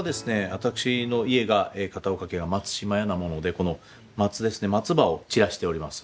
私の家が片岡家が「松嶋屋」なものでこの松ですね松葉を散らしております。